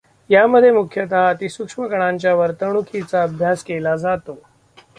यामध्ये मुख्यतः अतिसूक्ष्म कणांच्या वर्तणुकीचा अभ्यास केला जातो.